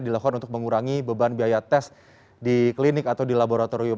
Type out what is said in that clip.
dilakukan untuk mengurangi beban biaya tes di klinik atau di laboratorium